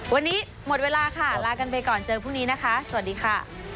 วันนี้หมดเวลาค่ะลากันไปก่อนเจอพรุ่งนี้นะคะสวัสดีค่ะ